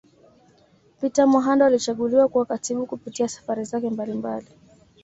Peter Muhando alichaguliwa kuwa katibu Kupitia Safari zake mbalimbali